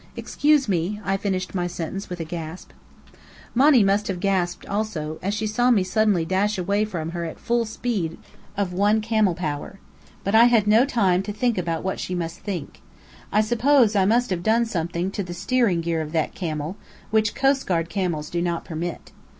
"Excuse me," I finished my sentence with a gasp. Monny must have gasped also, as she saw me suddenly dash away from her at full speed of one camel power. But I had no time to think about what she might think. I suppose I must have done something to the steering gear of that camel, which coastguard camels do not permit.